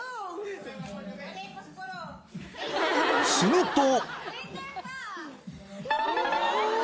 ［すると］